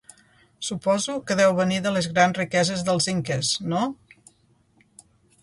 Suposo que deu venir de les grans riqueses dels inques, no?